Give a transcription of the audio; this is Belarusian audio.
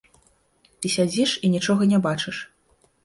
Ты сядзіш і нічога не бачыш.